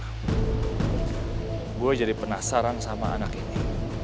gue jadi penasaran sama anak ini